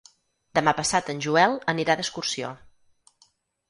Demà passat en Joel anirà d'excursió.